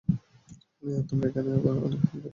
তোমার অনেক হাসি পাচ্ছে?